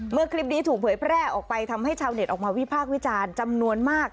คลิปนี้ถูกเผยแพร่ออกไปทำให้ชาวเน็ตออกมาวิพากษ์วิจารณ์จำนวนมาก